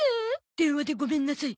電話でごめんなさい。